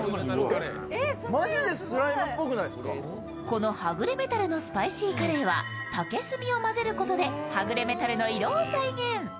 このはぐれメタルのスパイシーカレーは竹炭を混ぜることではぐれメタルの色を再現。